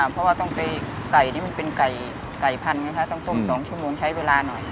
เพราะว่าต้องไปไก่นี่มันเป็นไก่พันธุ์ต้องต้ม๒ชั่วโมงใช้เวลาหน่อย